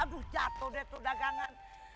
aduh jatuh deh tuh dagangan